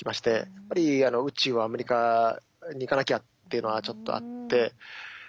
やっぱり宇宙はアメリカに行かなきゃっていうのはちょっとあって。